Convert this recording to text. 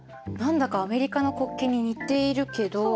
何だかアメリカの国旗に似ているけど。